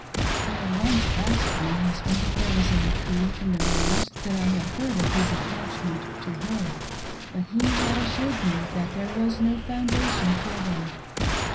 I had once asked my husband if there was any truth in the rumors that I had heard of his attachment to her, but he had assured me that there was no foundation for them.